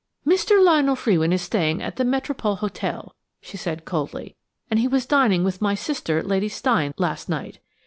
"Mr. Lionel Frewin is staying at the Metropole Hotel," she said coldly, "and he was dining with my sister, Lady Steyne, last night.